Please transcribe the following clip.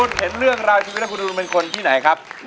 คุณเห็นเรื่องราวชีวิตแล้วคุณอูนเป็นคนที่ไหนครับ